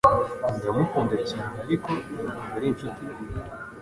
Ndamukunda cyane, ariko ntabwo ari inshuti ye.